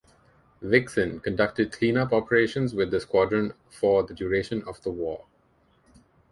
"Vixen" conducted clean-up operations with the squadron for the duration of the war.